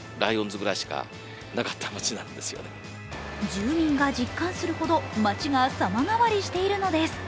住民が実感するほど街がさま変わりしているのです。